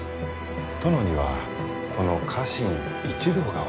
殿にはこの家臣一同がおります。